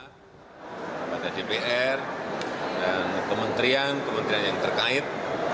diputas pada dpr dan kementerian kementerian yang terkait